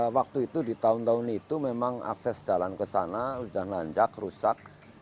waktu itu di tahun tahun itu memang akses jalan kesana sudah nanjak rusak